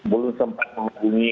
belum sempat menghubungi